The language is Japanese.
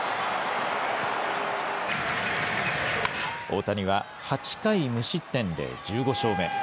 大谷は８回無失点で１５勝目。